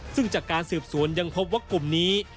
ซึ่งจากการสืบสวนยังพบว่ากลุ่มนี้